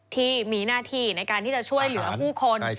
ที่มีหน้าที่ในการที่จะช่วยเหลือผู้คน